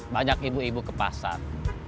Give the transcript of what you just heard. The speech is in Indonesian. banyak ibu ibu ke pasar